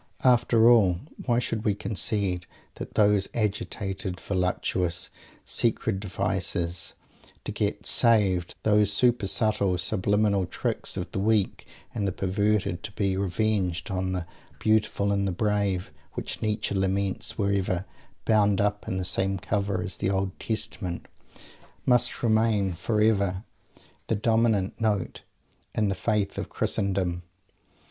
After all, why should we concede that those agitated, voluptuous, secret devices to get "saved," those super subtle, subliminal tricks of the weak and the perverted to be revenged on the beautiful and the brave, which Nietzsche laments were ever "bound up" in the same cover as the "Old Testament." must remain forever the dominant "note" in the Faith of Christendom?